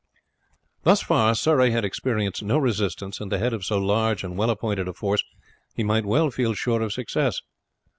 Thus far Surrey had experienced no resistance, and at the head of so large and well appointed a force he might well feel sure of success.